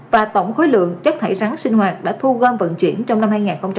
và tổng khối lượng chất thải rắn sinh hoạt đã thu gom vận chuyển trong năm hai nghìn hai mươi